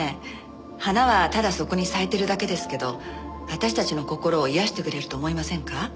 花はただそこに咲いてるだけですけど私たちの心を癒やしてくれると思いませんか？